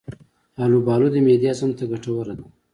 البالو د معدې هضم ته ګټوره ده.